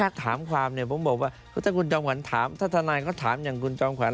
หากถามความเนี่ยผมบอกว่าถ้าท่านายก็ถามอย่างจองขวั้น